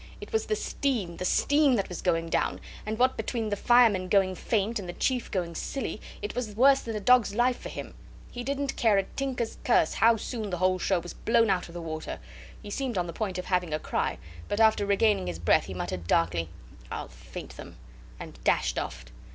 It was the steam the steam that was going down; and what between the firemen going faint and the chief going silly, it was worse than a dog's life for him; he didn't care a tinker's curse how soon the whole show was blown out of the water. He seemed on the point of having a cry, but after regaining his breath he muttered darkly, "I'll faint them," and dashed off.